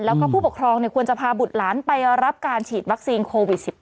แล้วก็ผู้ปกครองควรจะพาบุตรหลานไปรับการฉีดวัคซีนโควิด๑๙